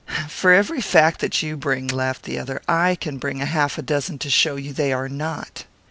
"For every fact that you bring," laughed the other, "I can bring half a dozen to show you they are not."